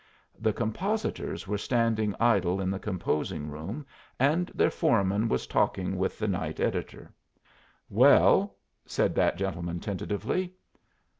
The compositors were standing idle in the composing room, and their foreman was talking with the night editor. "Well," said that gentleman, tentatively.